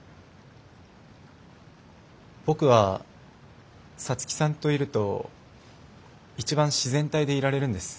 僕は皐月さんといると一番自然体でいられるんです。